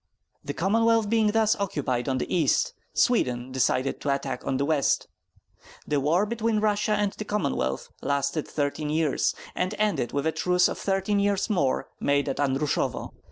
The Commonwealth being thus occupied on the east, Sweden decided to attack on the west. The war between Russia and the Commonwealth lasted thirteen years, and ended with a truce of thirteen years more, made at Andrusovo.